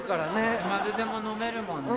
いつまででも飲めるもんね。